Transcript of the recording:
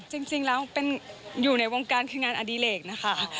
จริงแล้วอยู่ในวงการคืองานอดิเลกนะคะ